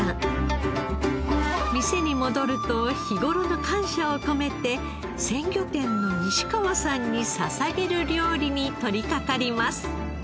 店に戻ると日頃の感謝を込めて鮮魚店の西川さんに捧げる料理に取りかかります。